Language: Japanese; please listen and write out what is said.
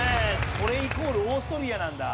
これイコールオーストリアなんだ。